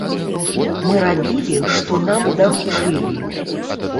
Мы рабілі, што нам даручылі.